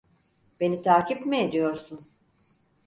Beni takip mi ediyorsun?